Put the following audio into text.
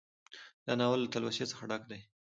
دا ناول له تلوسې څخه ډک دى